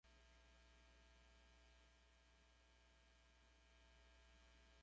Son considerados una leyenda urbana.